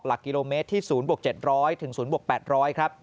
หลักกิโลเมตรที่๐บวก๗๐๐ถึงศูนย์บวก๘๐๐ครับ